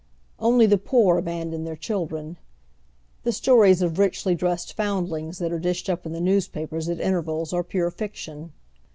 Only the poor abandon their children. The sto ries of richly dressed foundlings that are dished up in the newspapers at intervals are pure fiction.